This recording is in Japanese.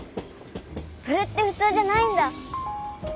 それってふつうじゃないんだ！